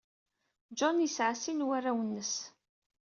John yesɛa sin n warraw-nnnes.